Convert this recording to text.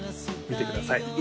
見てください